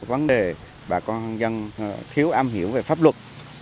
vấn đề bà con dân thiếu am hiểu về pháp luật